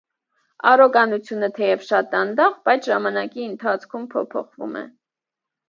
Առոգանությունը թեև շատ դանդաղ բայց ժամանակի ընթացքում փոփոխվում է։